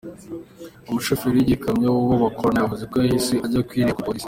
Umushoferi w’iyikamyo uwo bakorana yavuze ko yahise ajya kwirega kuri Polisi.